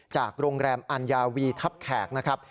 จากโรงแรมอัญญาวีทัพแขกนะครับ